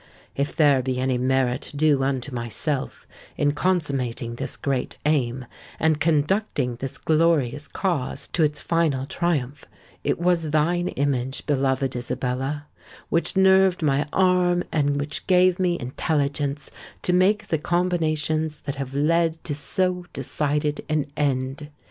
If there be any merit due unto myself, in consummating this great aim, and conducting this glorious cause to its final triumph, it was thine image, beloved Isabella, which nerved my arm and which gave me intelligence to make the combinations that have led to so decided an end.